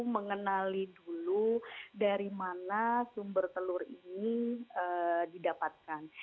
mengenali dulu dari mana sumber telur ini didapatkan